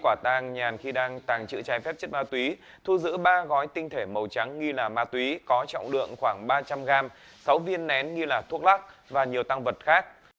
quả tàng nhàn khi đang tàng trữ trái phép chất ma túy thu giữ ba gói tinh thể màu trắng nghi là ma túy có trọng lượng khoảng ba trăm linh gram sáu viên nén nghi là thuốc lắc và nhiều tăng vật khác